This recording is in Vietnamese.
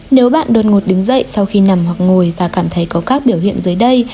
nếu bạn đột ngột đứng dậy sau khi nằm hoặc ngồi và cảm thấy có các biểu hiện dưới đây